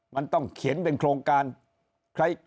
มันต้องเขียนเป็นโครงการ